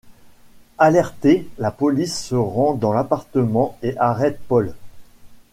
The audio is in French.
Alertée, la police se rend dans l'appartement et arrête Paul.